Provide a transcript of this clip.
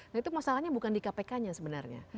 nah itu masalahnya bukan di kpk nya sebenarnya